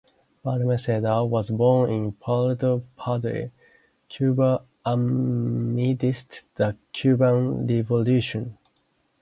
Balmaseda was born in Puerto Padre, Cuba amidst the Cuban Revolution.